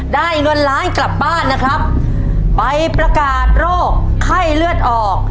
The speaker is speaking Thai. เงินล้านกลับบ้านนะครับไปประกาศโรคไข้เลือดออก